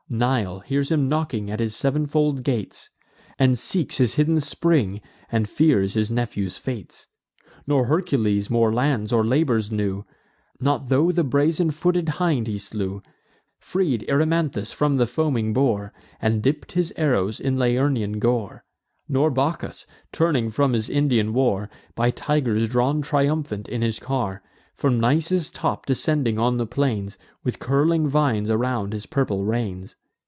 Nile hears him knocking at his sev'nfold gates, And seeks his hidden spring, and fears his nephew's fates. Nor Hercules more lands or labours knew, Not tho' the brazen footed hind he slew, Freed Erymanthus from the foaming boar, And dipp'd his arrows in Lernaean gore; Nor Bacchus, turning from his Indian war, By tigers drawn triumphant in his car, From Nisus' top descending on the plains, With curling vines around his purple reins.